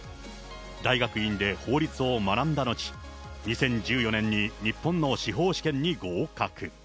大学院で法律を学んだ後、２０１４年に日本の司法試験に合格。